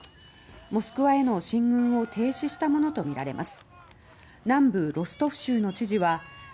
モスクワへの進軍を停止したものとみられます。